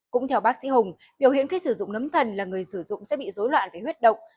cũng theo bác sĩ hùng biểu hiện khi sử dụng nấm thần là người sử dụng sẽ bị dối loạn về huyết động